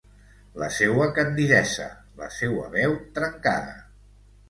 La seua candidesa, la seua veu trencada.